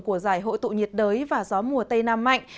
của giải hội tụ nhiệt đới và gió mùa tây nam mạnh